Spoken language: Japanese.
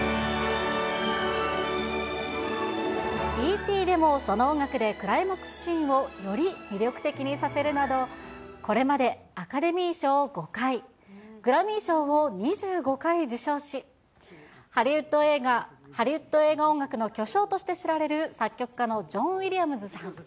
Ｅ．Ｔ．でもその音楽でクライマックスシーンをより魅力的にさせるなど、これまでアカデミー賞を５回、グラミー賞を２５回受賞し、ハリウッド映画音楽の巨匠として知られる作曲家のジョン・ウィリアムズさん。